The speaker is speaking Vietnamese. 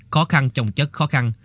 khó khăn trồng chất khó khăn